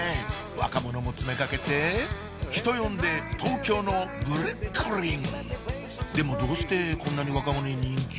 若者も詰めかけて人呼んで東京のブルックリンでもどうしてこんなに若者に人気？